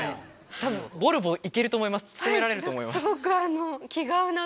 多分ボルボ行けると思います勤められると思います。